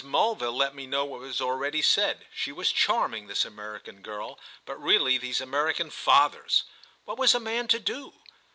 Mulville let me know what was already said: she was charming, this American girl, but really these American fathers—! What was a man to do?